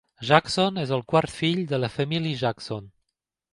Jackson és el quart fill de la família Jackson.